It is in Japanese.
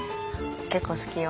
結構好きよ。